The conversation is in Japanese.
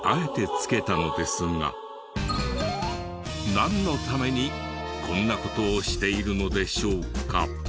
なんのためにこんな事をしているのでしょうか？